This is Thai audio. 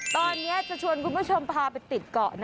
ตอนนี้จะชวนคุณผู้ชมพาไปติดเกาะ